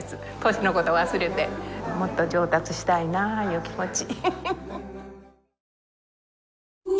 年の事を忘れてもっと上達したいなという気持ち。